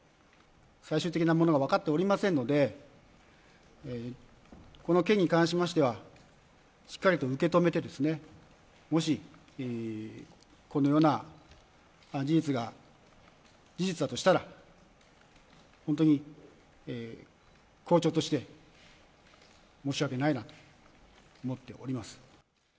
最終的なものは分かっておりませんので、この件に関しましては、しっかりと受け止めて、もし、このような事実が、事実だとしたら、本当に校長として、申し訳ないなと思っております。